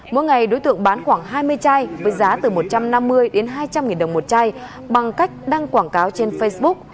mỗi ngày đối tượng bán khoảng hai mươi chai với giá từ một trăm năm mươi đến hai trăm linh nghìn đồng một chai bằng cách đăng quảng cáo trên facebook